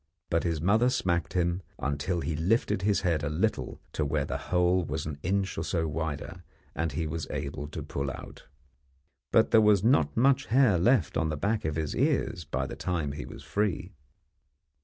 But his mother smacked him until he lifted his head a little to where the hole was an inch or so wider, and he was able to pull out. But there was not much hair left on the back of his ears by the time he was free.